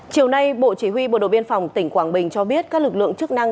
chiều nay bộ chỉ huy bộ đội biên phòng tỉnh quảng bình cho biết các lực lượng chức năng